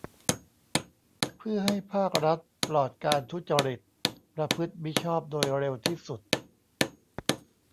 เพื่อให้ภาครัฐปลอดการทุจริต ประพฤติมิชอบโดยเร็วที่สุด